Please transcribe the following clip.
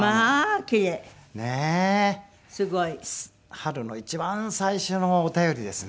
春の一番最初のお便りですね。